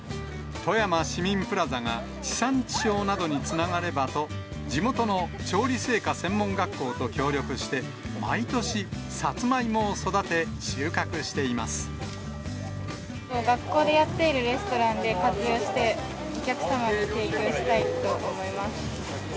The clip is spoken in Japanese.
富山市民プラザが、地産地消などにつながればと、地元の調理製菓専門学校と協力して、毎年、さつまいもを育て収穫学校でやってるレストランで活用して、お客様に提供したいと思います。